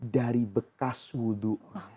dari bekas wudhu